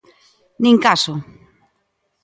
Nin caso.